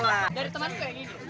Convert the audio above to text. dari teman gue